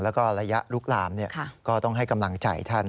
แล้วก็ระยะลุกลามก็ต้องให้กำลังใจท่าน